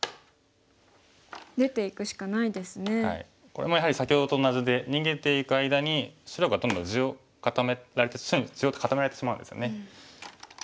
これもやはり先ほどと同じで逃げていく間に白がどんどん地を白に地を固められてしまうんですね。